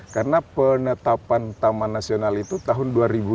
karena penetapan taman nasional itu tahun dua ribu dua